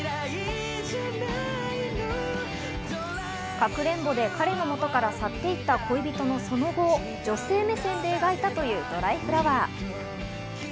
『かくれんぼ』で彼の元から去っていった恋人のその後を、女性目線で描いたという『ドライフラワー』。